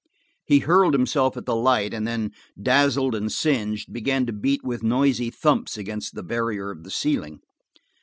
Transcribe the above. He hurled himself at the light and then, dazzled and singed, began to beat with noisy thumps against the barrier of the ceiling.